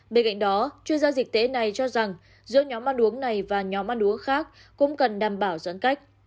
bên cạnh đó chuyên gia dịch tễ này cho rằng giữa nhóm ăn uống này và nhóm ăn uống khác cũng cần đảm bảo giãn cách